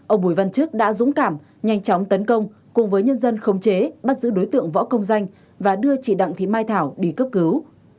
ông bùi văn chức đã dũng cảm nhanh chóng tấn công cùng với nhân dân khống chế bắt giữ đối tượng võ công danh và đưa chị đặng thị mai thảo đi cấp cứu